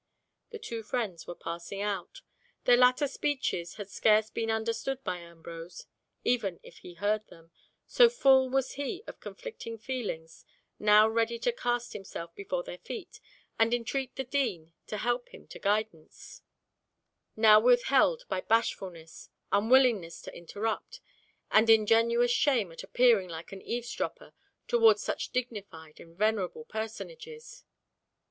The two friends were passing out. Their latter speeches had scarce been understood by Ambrose, even if he heard them, so full was he of conflicting feelings, now ready to cast himself before their feet, and entreat the Dean to help him to guidance, now withheld by bashfulness, unwillingness to interrupt, and ingenuous shame at appearing like an eavesdropper towards such dignified and venerable personages.